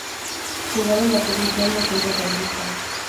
Jugaba en la posición de centrocampista.